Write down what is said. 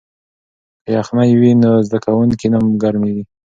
که یخنۍ وي نو زده کوونکی نه ګرمیږي.